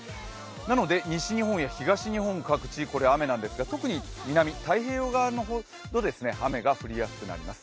なので西日本や東日本の各地、雨なんですが特に南、太平洋側は雨が降りやすくなります。